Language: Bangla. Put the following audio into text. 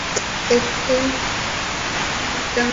দেখতেই বা কেমন?